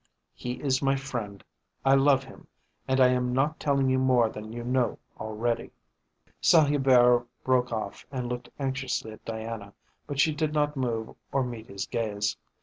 He is my friend, I love him, and I am not telling you more than you know already." Saint Hubert broke off and looked anxiously at Diana, but she did not move or meet his gaze.